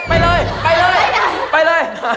ไปแดด